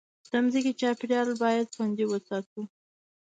د مځکې چاپېریال باید خوندي وساتو.